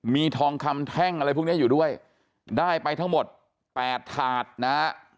มีทองคำแท่งอะไรพวกนี้อยู่ด้วยได้ไปทั้งหมดแปดถาดนะฮะ